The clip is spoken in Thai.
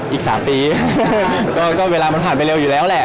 อีก๓ปีก็เวลามันผ่านไปเร็วอยู่แล้วแหละ